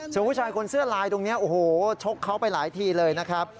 ส่วนผู้ชายคนเสื้อลายตรงนี้โอ้โหชกเขาไปหลายทีเลยนะครับ